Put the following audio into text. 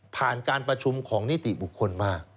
การประชุมของนิติบุคคลมา